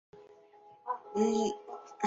陈铭枢客家人。